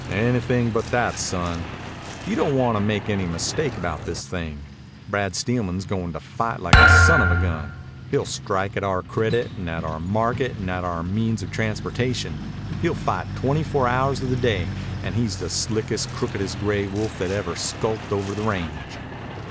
"Anything but that, son. You don't want to make any mistake about this thing. Brad Steelman's goin' to fight like a son of a gun. He'll strike at our credit and at our market and at our means of transportation. He'll fight twenty four hours of the day, and he's the slickest, crookedest gray wolf that ever skulked over the range."